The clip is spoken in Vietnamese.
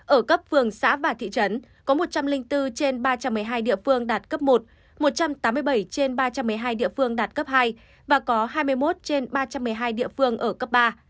ở cấp phường xã và thị trấn có một trăm linh bốn trên ba trăm một mươi hai địa phương đạt cấp một một trăm tám mươi bảy trên ba trăm một mươi hai địa phương đạt cấp hai và có hai mươi một trên ba trăm một mươi hai địa phương ở cấp ba